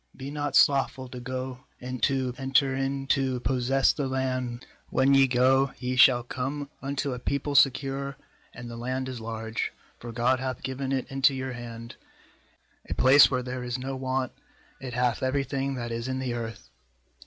be not slothful to go and to enter in to possess the land. l°When ye go, ye shall come unto a people secure, and the land is large; for God hath given it into your hand; a place where there is no want; it hath every thing that is in the earth.'